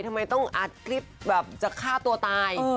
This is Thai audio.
ทำไมต้องอัดคลิปแบบจะฆ่าตัวตาย